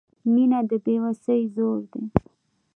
• مینه د بې وسۍ زور دی.